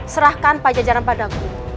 serahkan pajajaran padaku